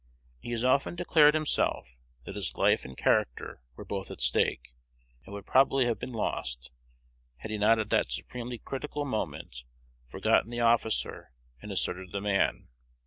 He has often declared himself, that his life and character were both at stake, and would probably have been lost, had he not at that supremely critical moment forgotten the officer and asserted the man.